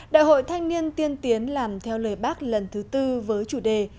đại hội thanh niên tiên tiến làm theo lời bác lần thứ tư với chủ đề